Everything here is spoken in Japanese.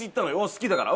好きだから。